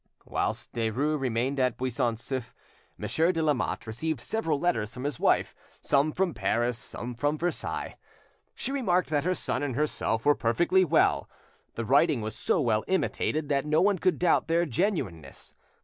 Whilst Derues remained at Buisson Souef, Monsieur de Lamotte received several letters from his wife, some from Paris, some from Versailles. She remarked that her son and herself were perfectly well.... The writing was so well imitated that no one could doubt their genuineness.